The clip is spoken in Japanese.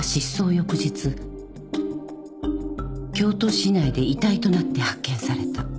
翌日京都市内で遺体となって発見された」